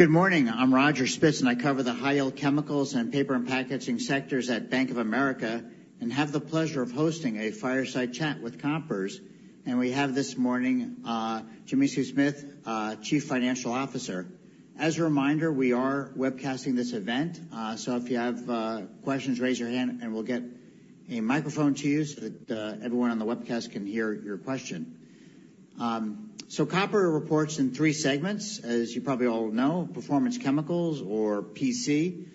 Good morning. I'm Roger Spitz, and I cover the high-yield chemicals and paper and packaging sectors at Bank of America, and have the pleasure of hosting a fireside chat with Koppers. We have this morning, Jimmi Sue Smith, Chief Financial Officer. As a reminder, we are webcasting this event, so if you have questions, raise your hand, and we'll get a microphone to you so that everyone on the webcast can hear your question. So Koppers reports in three segments, as you probably all know: Performance Chemicals or PC,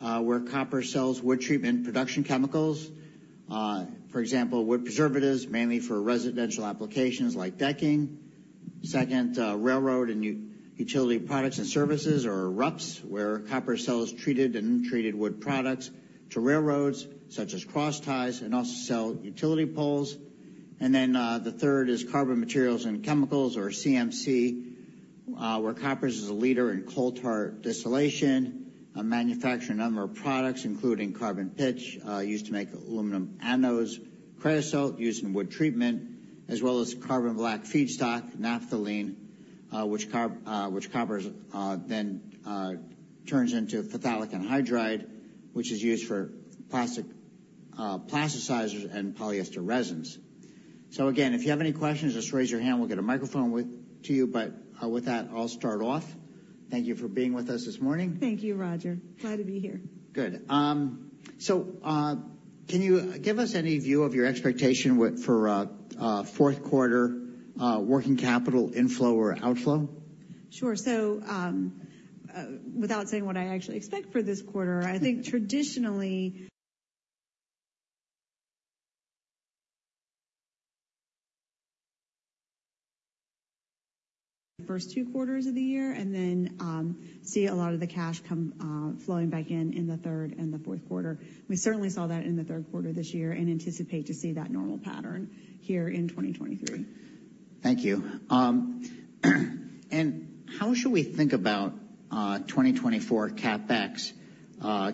where Koppers sells wood treatment production chemicals. For example, wood preservatives, mainly for residential applications like decking. Second, Railroad and Utility Products and Services or RUPS, where Koppers sells treated wood products to railroads such as crossties, and also sell utility poles. And then, the third is Carbon Materials and Chemicals or CMC, where Koppers is a leader in coal tar distillation, manufacture a number of products, including carbon pitch, used to make aluminum anodes, creosote used in wood treatment, as well as carbon black feedstock, naphthalene, which Koppers then turns into phthalic anhydride, which is used for plasticizers and polyester resins. So again, if you have any questions, just raise your hand, we'll get a microphone to you. But, with that, I'll start off. Thank you for being with us this morning. Thank you, Roger. Glad to be here. Good. So, can you give us any view of your expectation for fourth quarter working capital inflow or outflow? Sure. So, without saying what I actually expect for this quarter, I think traditionally... first two quarters of the year, and then see a lot of the cash come flowing back in, in the third and the fourth quarter. We certainly saw that in the third quarter this year, and anticipate to see that normal pattern here in 2023. Thank you. How should we think about 2024 CapEx,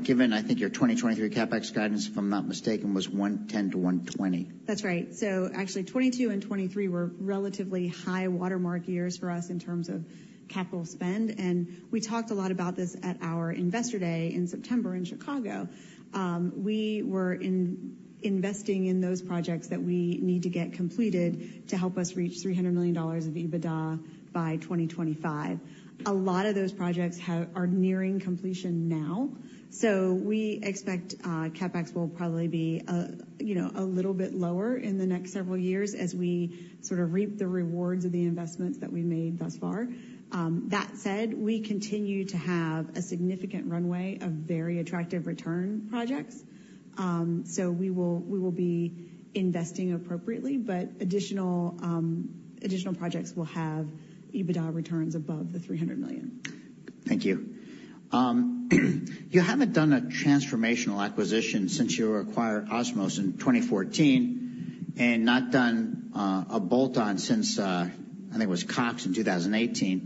given I think your 2023 CapEx guidance, if I'm not mistaken, was $110-$120? That's right. So actually, 2022 and 2023 were relatively high watermark years for us in terms of capital spend, and we talked a lot about this at our Investor Day in September in Chicago. We were investing in those projects that we need to get completed to help us reach $300 million of EBITDA by 2025. A lot of those projects are nearing completion now, so we expect CapEx will probably be, you know, a little bit lower in the next several years as we sort of reap the rewards of the investments that we made thus far. That said, we continue to have a significant runway of very attractive return projects. So we will be investing appropriately, but additional projects will have EBITDA returns above the $300 million. Thank you. You haven't done a transformational acquisition since you acquired Osmose in 2014, and not done a bolt-on since I think it was Cox in 2018.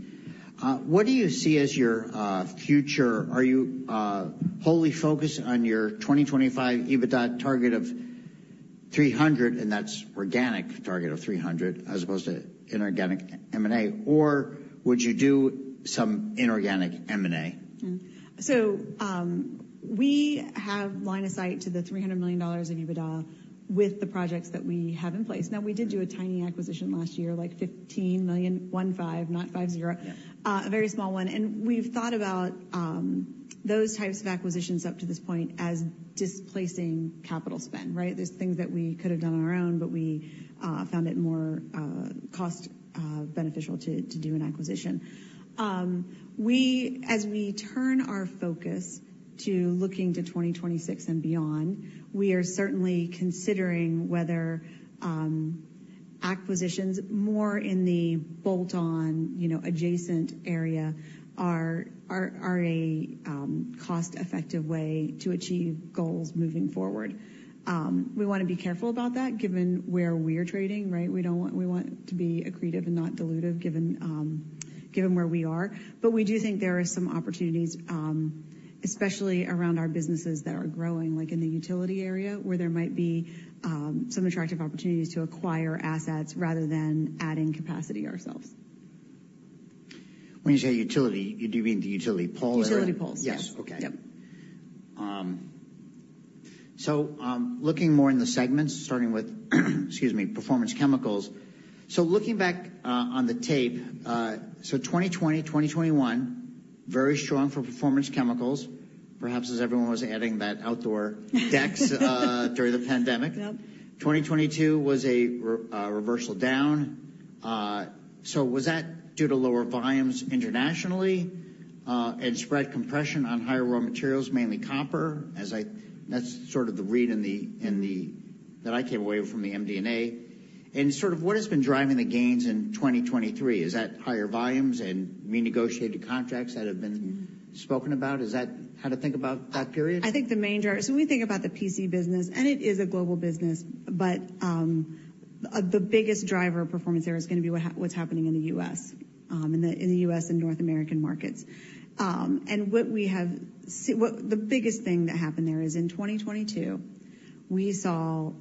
What do you see as your future? Are you wholly focused on your 2025 EBITDA target of $300 million, and that's organic target of $300 million, as opposed to inorganic M&A, or would you do some inorganic M&A? We have line of sight to the $300 million in EBITDA with the projects that we have in place. Now, we did do a tiny acquisition last year, like $15 million, one five, not five zero. Yeah. A very small one, and we've thought about those types of acquisitions up to this point as displacing capital spend, right? There's things that we could have done on our own, but we found it more cost beneficial to do an acquisition. As we turn our focus to looking to 2026 and beyond, we are certainly considering whether acquisitions more in the bolt-on, you know, adjacent area are a cost-effective way to achieve goals moving forward. We wanna be careful about that, given where we're trading, right? We don't want. We want to be accretive and not dilutive, given where we are. But we do think there are some opportunities, especially around our businesses that are growing, like in the utility area, where there might be some attractive opportunities to acquire assets rather than adding capacity ourselves. When you say utility, do you mean the utility poles or? Utility poles. Yes. Yep. Okay. So, looking more in the segments, starting with, excuse me, Performance Chemicals. So looking back, on the tape, so 2020, 2021, very strong for Performance Chemicals, perhaps as everyone was adding that outdoor decks during the pandemic. Yep. 2022 was a reversal down. So was that due to lower volumes internationally, and spread compression on higher raw materials, mainly copper, as that's sort of the read in the, in the... That I came away from the MD&A. And sort of what has been driving the gains in 2023? Is that higher volumes and renegotiated contracts that have been spoken about? Is that how to think about that period? I think the main driver. So when we think about the PC business, and it is a global business, but the biggest driver of performance there is gonna be what's happening in the U.S., in the U.S. and North American markets. And what the biggest thing that happened there is in 2022, we saw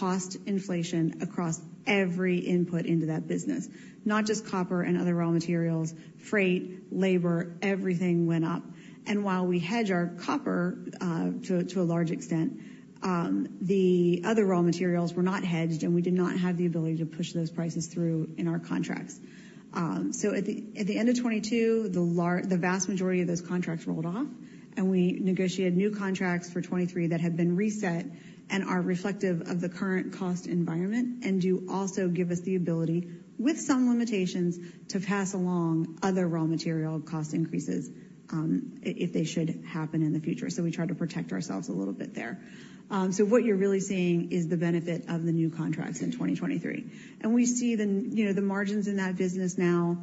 cost inflation across every input into that business, not just copper and other raw materials, freight, labor, everything went up. And while we hedge our copper to a large extent, the other raw materials were not hedged, and we did not have the ability to push those prices through in our contracts. So at the end of 2022, the vast majority of those contracts rolled off, and we negotiated new contracts for 2023 that had been reset and are reflective of the current cost environment, and do also give us the ability, with some limitations, to pass along other raw material cost increases, if they should happen in the future. So we try to protect ourselves a little bit there. So what you're really seeing is the benefit of the new contracts in 2023. And we see the, you know, the margins in that business now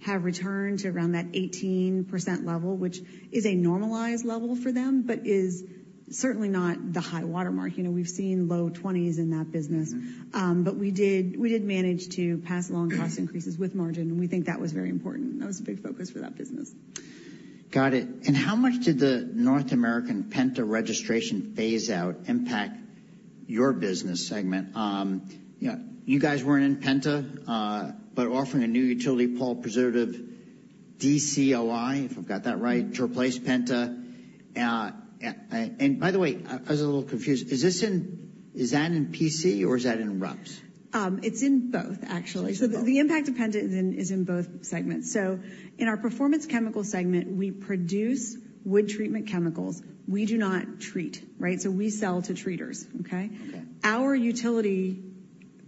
have returned to around that 18% level, which is a normalized level for them, but is certainly not the high water mark. You know, we've seen low 20s in that business. Mm-hmm. But we did manage to pass along cost increases with margin, and we think that was very important. That was a big focus for that business. Got it. And how much did the North American penta registration phase out impact your business segment? You know, you guys weren't in penta, but offering a new utility pole preservative, DCOI, if I've got that right, to replace penta. And by the way, I was a little confused. Is this in PC or is that in RUPS? It's in both, actually. It's in both. The impact of penta is in both segments. In our Performance Chemicals segment, we produce wood treatment chemicals. We do not treat, right? We sell to treaters, okay? Okay. Our utility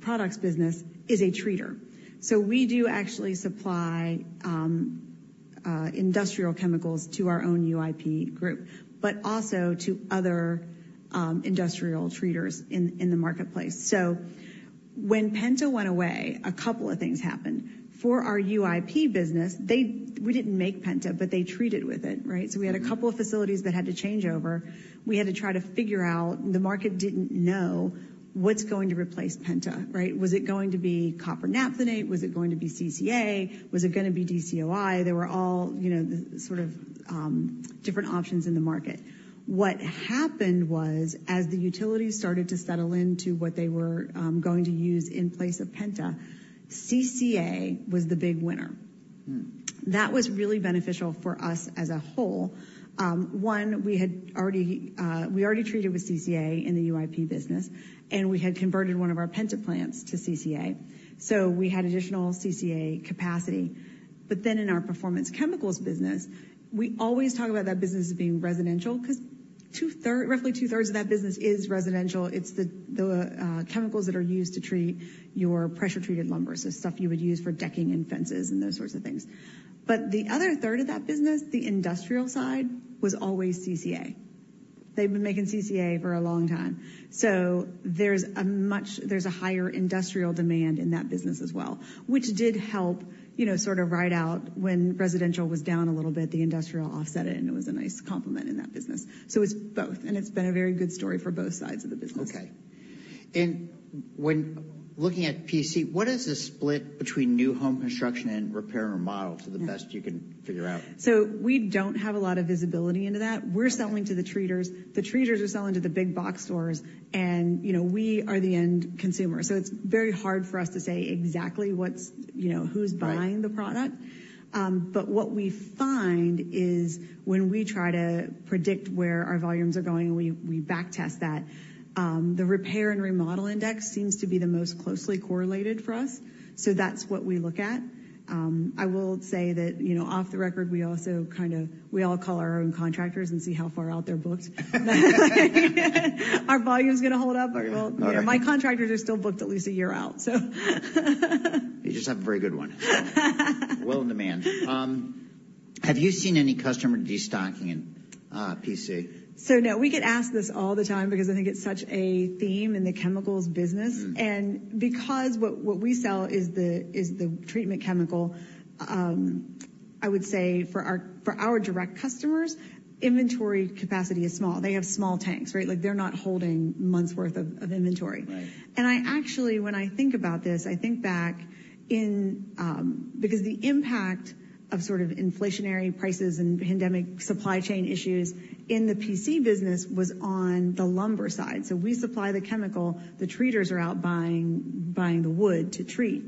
products business is a treater, so we do actually supply industrial chemicals to our own UIP group, but also to other industrial treaters in the marketplace. So when penta went away, a couple of things happened. For our UIP business, they—we didn't make penta, but they treated with it, right? Mm-hmm. So we had a couple of facilities that had to change over. We had to try to figure out... The market didn't know what's going to replace penta, right? Was it going to be copper naphthenate? Was it going to be CCA? Was it gonna be DCOI? There were all, you know, the, sort of, different options in the market. What happened was, as the utilities started to settle into what they were going to use in place of penta, CCA was the big winner. Mm. That was really beneficial for us as a whole. One, we had already, we already treated with CCA in the RUPS business, and we had converted one of our penta plants to CCA, so we had additional CCA capacity. But then in our Performance Chemicals business, we always talk about that business as being residential, 'cause 2/3, roughly 2/3 of that business is residential. It's the chemicals that are used to treat your pressure-treated lumber. So stuff you would use for decking and fences and those sorts of things. But the other 1/3 of that business, the industrial side, was always CCA. They've been making CCA for a long time. There's a higher industrial demand in that business as well, which did help, you know, sort of ride out when residential was down a little bit, the industrial offset it, and it was a nice complement in that business. So it's both, and it's been a very good story for both sides of the business. Okay. And when looking at PC, what is the split between new home construction and repair and remodel- Yeah to the best you can figure out? So we don't have a lot of visibility into that. Okay. We're selling to the treaters. The treaters are selling to the big box stores, and, you know, we are the end consumer. So it's very hard for us to say exactly what's, you know, who's- Right... buying the product. But what we find is when we try to predict where our volumes are going, we back test that. The repair and remodel index seems to be the most closely correlated for us, so that's what we look at. I will say that, you know, off the record, we also kind of, we all call our own contractors and see how far out they're booked. Are volumes gonna hold up? Well- Okay. My contractors are still booked at least a year out, so. You just have a very good one. Well, in demand. Have you seen any customer destocking in PC? No, we get asked this all the time because I think it's such a theme in the chemicals business. Mm. Because what we sell is the treatment chemical, I would say for our direct customers, inventory capacity is small. They have small tanks, right? Like, they're not holding months' worth of inventory. Right. I actually, when I think about this, I think back in. Because the impact of sort of inflationary prices and pandemic supply chain issues in the PC business was on the lumber side. So we supply the chemical, the treaters are out buying, buying the wood to treat.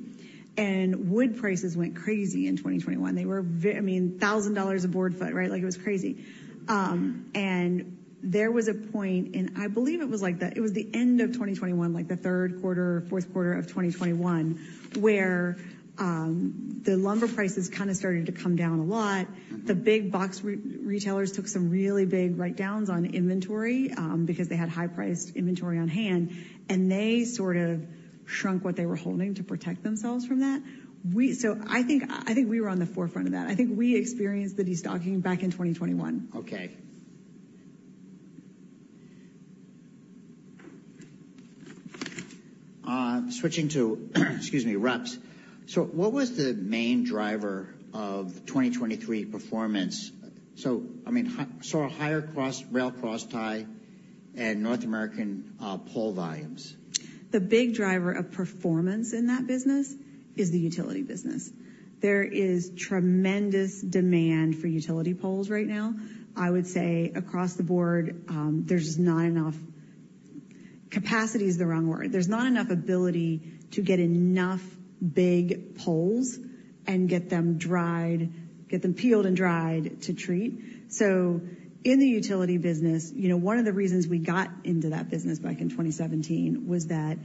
And wood prices went crazy in 2021. They were, I mean, $1,000 a board foot, right? Like, it was crazy. And there was a point, and I believe it was like the, it was the end of 2021, like the third quarter, fourth quarter of 2021, where the lumber prices kind of started to come down a lot. Mm-hmm. The big-box retailers took some really big write-downs on inventory, because they had high-priced inventory on hand, and they sort of shrunk what they were holding to protect themselves from that. So I think, I think we were on the forefront of that. I think we experienced the destocking back in 2021. Okay. Switching to, excuse me, RUPS. So what was the main driver of 2023 performance? So I mean, saw a higher crosstie, rail crosstie and North American pole volumes. The big driver of performance in that business is the utility business. There is tremendous demand for utility poles right now. I would say across the board, there's just not enough... capacity is the wrong word. There's not enough ability to get enough big poles and get them dried, get them peeled and dried to treat. So in the utility business, you know, one of the reasons we got into that business back in 2017 was that,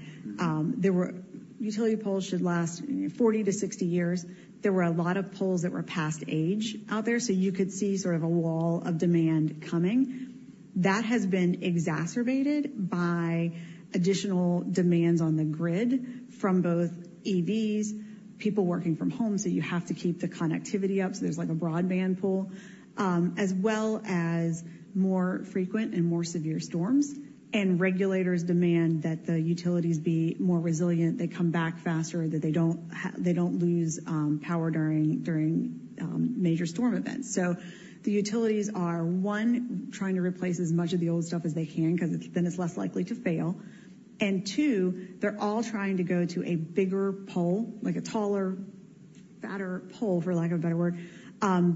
there were utility poles should last 40-60 years. There were a lot of poles that were past age out there, so you could see sort of a wall of demand coming. That has been exacerbated by additional demands on the grid from both EVs, people working from home, so you have to keep the connectivity up, so there's, like, a broadband pole, as well as more frequent and more severe storms. And regulators demand that the utilities be more resilient, they come back faster, that they don't lose power during major storm events. So the utilities are, one, trying to replace as much of the old stuff as they can, 'cause it, then it's less likely to fail. And two, they're all trying to go to a bigger pole, like a taller, fatter pole, for lack of a better word,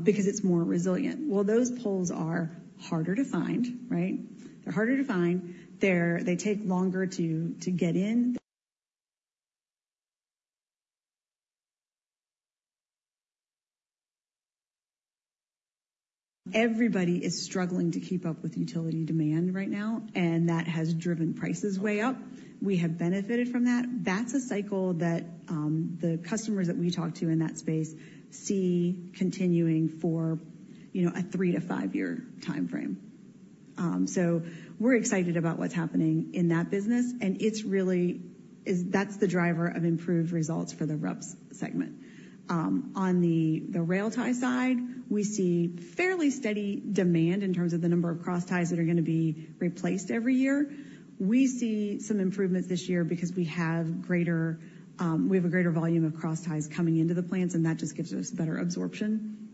because it's more resilient. Well, those poles are harder to find, right? They're harder to find. They take longer to get in. Everybody is struggling to keep up with utility demand right now, and that has driven prices way up. We have benefited from that. That's a cycle that, the customers that we talk to in that space see continuing for, you know, a three to five-year timeframe. So we're excited about what's happening in that business, and it's really, that's the driver of improved results for the RUPS segment. On the, the rail tie side, we see fairly steady demand in terms of the number of crossties that are gonna be replaced every year. We see some improvements this year because we have greater, we have a greater volume of crossties coming into the plants, and that just gives us better absorption,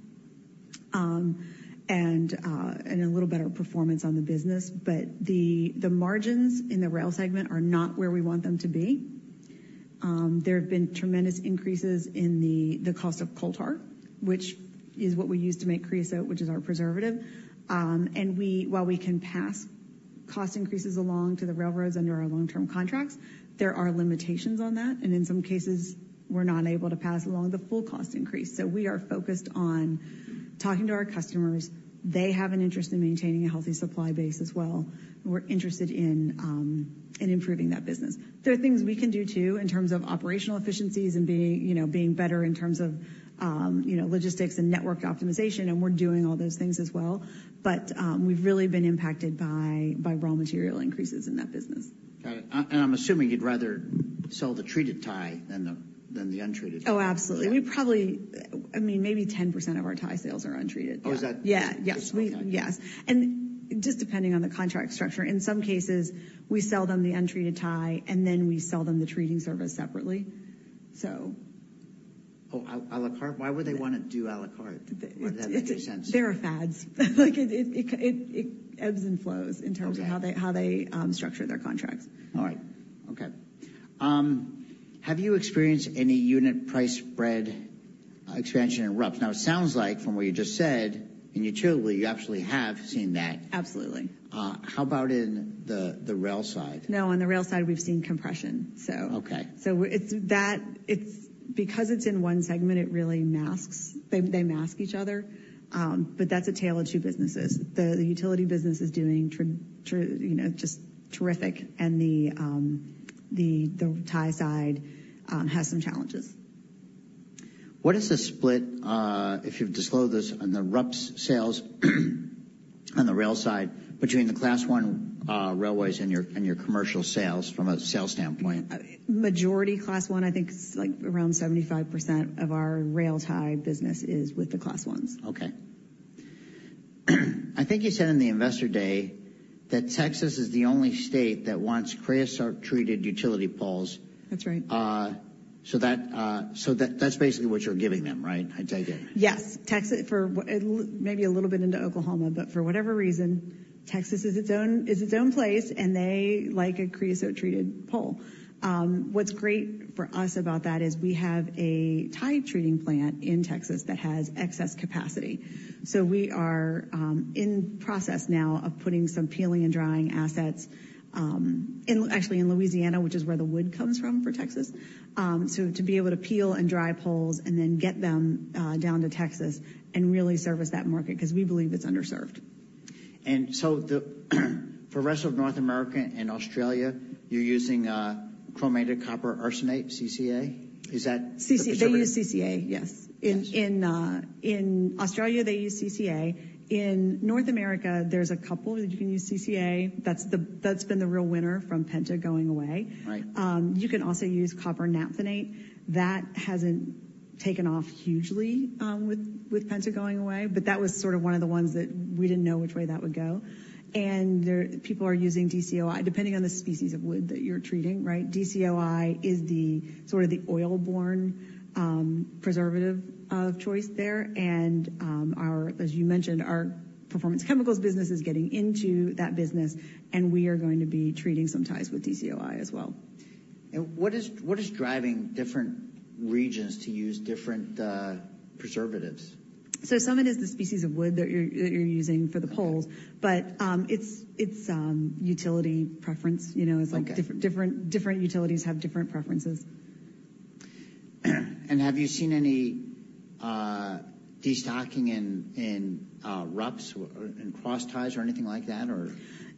and a little better performance on the business. But the margins in the rail segment are not where we want them to be. There have been tremendous increases in the cost of coal tar, which is what we use to make creosote, which is our preservative. While we can pass cost increases along to the railroads under our long-term contracts, there are limitations on that, and in some cases, we're not able to pass along the full cost increase. We are focused on talking to our customers. They have an interest in maintaining a healthy supply base as well. We're interested in improving that business. There are things we can do, too, in terms of operational efficiencies and being, you know, being better in terms of, you know, logistics and network optimization, and we're doing all those things as well. But, we've really been impacted by raw material increases in that business. Got it. And I'm assuming you'd rather sell the treated tie than the untreated tie? Oh, absolutely. We probably, I mean, maybe 10% of our tie sales are untreated. Oh, is that- Yeah. Yes. Just follow that. Yes. Just depending on the contract structure, in some cases, we sell them the untreated tie, and then we sell them the treating service separately, so. Oh, a la carte? Why would they want to do a la carte? Why would that make sense? There are fads. Like, it ebbs and flows- Okay... in terms of how they structure their contracts. All right. Okay. Have you experienced any unit price spread expansion in RUPS? Now, it sounds like from what you just said, in utility, you actually have seen that. Absolutely. How about in the rail side? No, on the rail side, we've seen compression, so. Okay. It's because it's in one segment, it really masks... They mask each other, but that's a tale of two businesses. The utility business is doing terrific, you know, just terrific, and the tie side has some challenges. What is the split, if you've disclosed this, on the RUPS sales on the rail side between the Class I railways and your, and your commercial sales from a sales standpoint? Majority Class I, I think, is, like, around 75% of our rail tie business is with the Class Is. Okay. I think you said in the Investor Day that Texas is the only state that wants creosote-treated utility poles. That's right. So that's basically what you're giving them, right? I take it. Yes. Texas, for whatever – maybe a little bit into Oklahoma, but for whatever reason, Texas is its own, is its own place, and they like a creosote-treated pole. What's great for us about that is we have a tie treating plant in Texas that has excess capacity. So we are in process now of putting some peeling and drying assets, actually, in Louisiana, which is where the wood comes from for Texas. So to be able to peel and dry poles and then get them down to Texas and really service that market, 'cause we believe it's underserved. And so, for the rest of North America and Australia, you're using chromated copper arsenate, CCA? Is that the material? CC, they use CCA, yes. Yes. In Australia, they use CCA. In North America, there's a couple that you can use CCA. That's been the real winner from penta going away. Right. You can also use copper naphthenate. That hasn't taken off hugely with penta going away, but that was sort of one of the ones that we didn't know which way that would go. And there, people are using DCOI, depending on the species of wood that you're treating, right? DCOI is the sort of the oil-borne preservative of choice there. And, our, as you mentioned, our Performance Chemicals business is getting into that business, and we are going to be treating some ties with DCOI as well.... What is, what is driving different regions to use different preservatives? So some of it is the species of wood that you're using for the poles. Okay. But, it's utility preference, you know? Okay. It's like different utilities have different preferences. And have you seen any destocking in RUPS or in crossties or anything like that, or?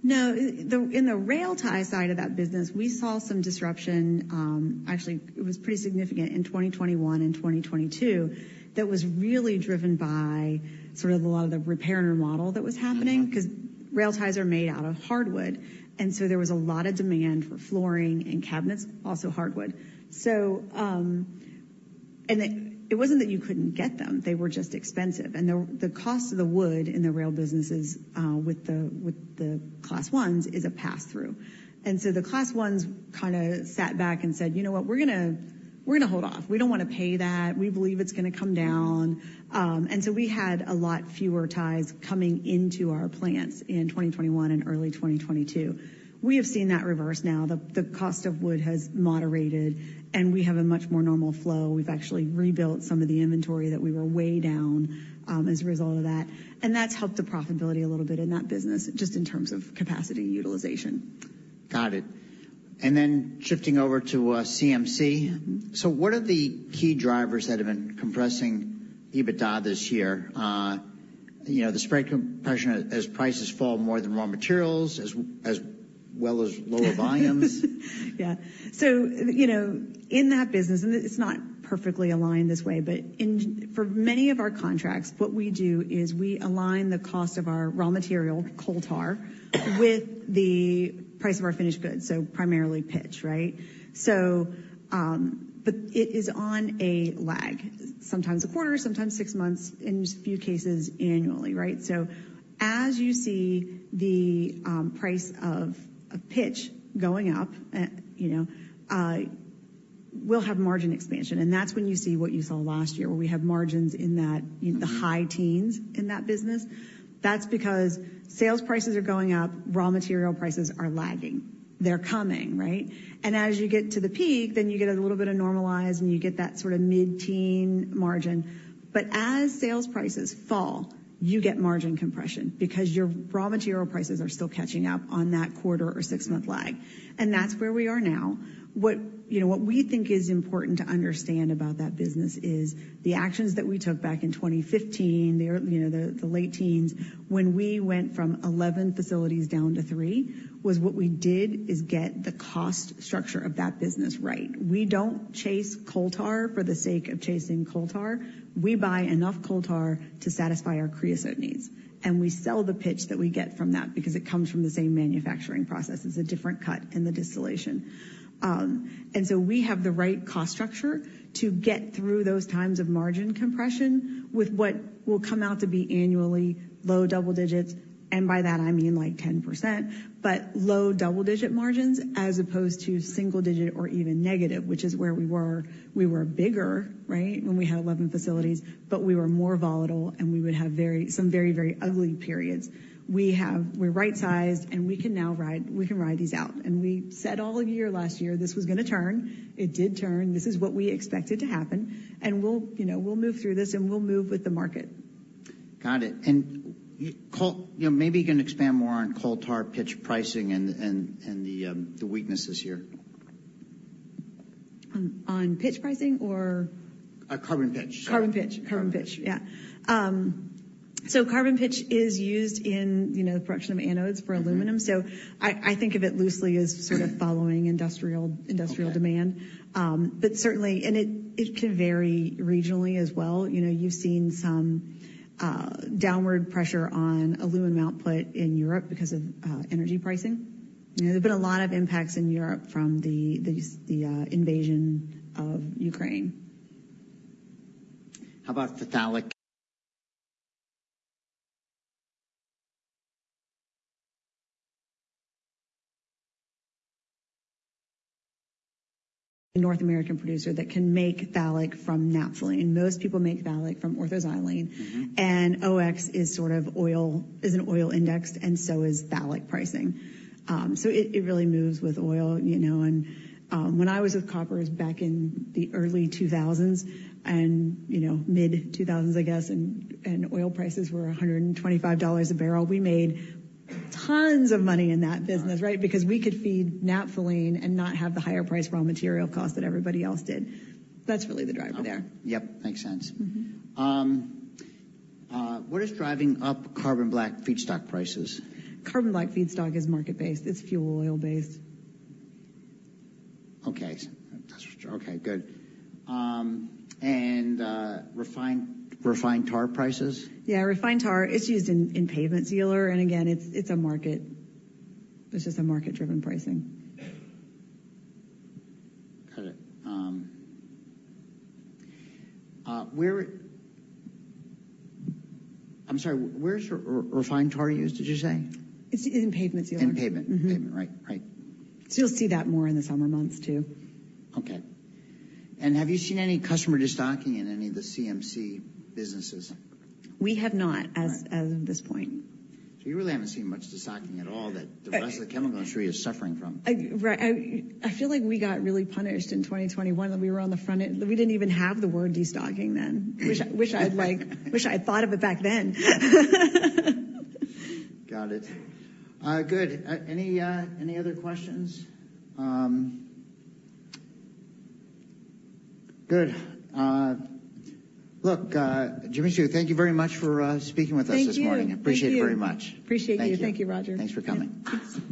No. In the rail tie side of that business, we saw some disruption. Actually, it was pretty significant in 2021 and 2022. That was really driven by sort of a lot of the repair and remodel that was happening. Uh-huh. 'Cause rail ties are made out of hardwood, and so there was a lot of demand for flooring and cabinets, also hardwood. So, and it wasn't that you couldn't get them, they were just expensive. And the cost of the wood in the rail businesses with the Class Is is a pass-through. And so the Class Is kind of sat back and said: "You know what? We're gonna hold off. We don't wanna pay that. We believe it's gonna come down." And so we had a lot fewer ties coming into our plants in 2021 and early 2022. We have seen that reverse now. The cost of wood has moderated, and we have a much more normal flow. We've actually rebuilt some of the inventory that we were way down as a result of that. That's helped the profitability a little bit in that business, just in terms of capacity utilization. Got it. And then shifting over to CMC. Mm-hmm. So what are the key drivers that have been compressing EBITDA this year? You know, the spread compression as prices fall more than raw materials, as well as lower volumes. Yeah. So, you know, in that business, and it's not perfectly aligned this way, but in for many of our contracts, what we do is we align the cost of our raw material, coal tar, with the price of our finished goods, so primarily pitch, right? So, but it is on a lag, sometimes a quarter, sometimes six months, in just a few cases, annually, right? So as you see the price of pitch going up, you know, we'll have margin expansion, and that's when you see what you saw last year, where we have margins in that- Mm-hmm... the high teens in that business. That's because sales prices are going up, raw material prices are lagging. They're coming, right? And as you get to the peak, then you get a little bit of normalize, and you get that sort of mid-teen margin. But as sales prices fall, you get margin compression because your raw material prices are still catching up on that quarter or six-month lag. And that's where we are now. What, you know, what we think is important to understand about that business is the actions that we took back in 2015, you know, the late teens, when we went from 11 facilities down to three, was what we did is get the cost structure of that business right. We don't chase coal tar for the sake of chasing coal tar. We buy enough coal tar to satisfy our creosote needs, and we sell the pitch that we get from that because it comes from the same manufacturing process. It's a different cut in the distillation. And so we have the right cost structure to get through those times of margin compression with what will come out to be annually low double-digit margins, and by that I mean, like, 10%, but low double-digit margins as opposed to single-digit or even negative, which is where we were. We were bigger, right, when we had 11 facilities, but we were more volatile, and we would have very, some very, very ugly periods. We have. We're right-sized, and we can now ride, we can ride these out. And we said all of year last year, this was gonna turn. It did turn. This is what we expected to happen, and we'll, you know, we'll move through this, and we'll move with the market. Got it. And you know, maybe you can expand more on coal tar pitch pricing and the weaknesses here. On pitch pricing or? Carbon pitch. Carbon pitch. Carbon. Carbon pitch, yeah. So carbon pitch is used in, you know, the production of anodes for aluminum. Mm-hmm. So I think of it loosely as sort of following industrial- Okay... industrial demand. But certainly and it can vary regionally as well. You know, you've seen some downward pressure on aluminum output in Europe because of energy pricing. You know, there's been a lot of impacts in Europe from the invasion of Ukraine. How about the phthalic? North American producer that can make phthalic from naphthalene. Most people make phthalic from ortho-xylene. Mm-hmm. OX is sort of oil, is an oil indexed, and so is phthalic pricing. So it really moves with oil, you know. When I was with Koppers back in the early 2000s and, you know, mid-2000s, I guess, and oil prices were $125 a barrel, we made tons of money in that business- Right... because we could feed naphthalene and not have the higher price raw material cost that everybody else did. That's really the driver there. Okay. Yep, makes sense. Mm-hmm. What is driving up carbon black feedstock prices? Carbon black feedstock is market-based. It's fuel oil-based. Okay. That's for sure. Okay, good. And refined tar prices? Yeah, refined tar, it's used in pavement sealer, and again, it's a market. It's just a market-driven pricing. Got it. I'm sorry. Where's refined tar used, did you say? It's in pavement sealer. In pavement. Mm-hmm. Pavement, right. Right. So you'll see that more in the summer months, too. Okay. Have you seen any customer destocking in any of the CMC businesses? We have not- Right... as of this point. So you really haven't seen much destocking at all, that- I- the rest of the chemical industry is suffering from? Right, I feel like we got really punished in 2021, that we were on the front end. We didn't even have the word destocking then. Which I'd like—wish I had thought of it back then. Got it. Good. Any other questions? Good. Look, Jimmi Sue, thank you very much for speaking with us this morning. Thank you. Thank you. Appreciate it very much. Appreciate you. Thank you. Thank you, Roger. Thanks for coming. Thanks.